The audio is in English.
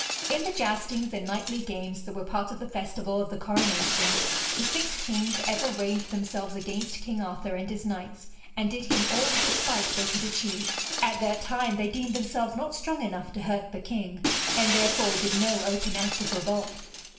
In the joustings and knightly games that were part of the festival of the coronation, the six kings ever ranged themselves against King Arthur and his knights, and did him all the despite they could achieve. At that time they deemed themselves not strong enough to hurt the king, and therefore did no open act of revolt.